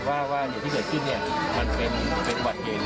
รับไปเพื่อนำสมนี้ไปเข้าสู่กระบวนการ